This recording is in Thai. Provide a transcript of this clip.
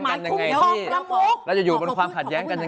คุณไม่รู้เหรออเตงประเทศเขาก็มีอ่ะ